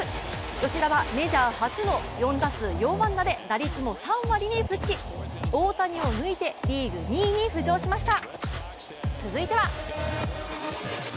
吉田はメジャー初の４打数４安打で大谷を抜いて、リーグ２位に浮上しました。